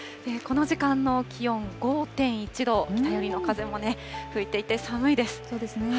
この時間の気温、５．１度、北寄りの風も吹いていて寒いです。